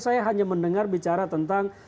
saya hanya mendengar bicara tentang